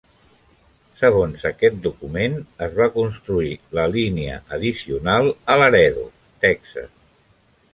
Segons aquest document, es va construir la línia addicional a Laredo, Texas.